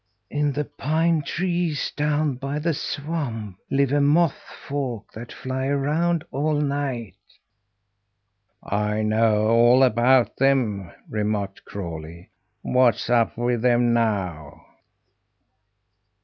"In the pine trees down by the swamp live a moth folk that fly around all night." "I know all about them," remarked Crawlie. "What's up with them now?"